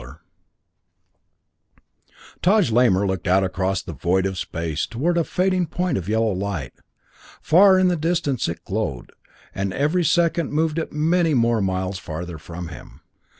EPILOGUE Taj Lamor looked out across the void of space toward a fading point of yellow light. Far in the distance it glowed, and every second moved it many more miles farther from him.